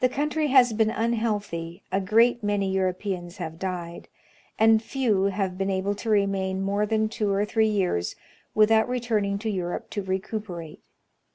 The country has been unhealthly, a great many Eui'opeana have died, and few have been able to remain more than two or three years without returning to Europe to recuperate.